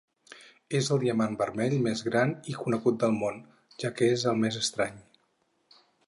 És el diamant vermell més gran i conegut del món, ja que és el més estrany.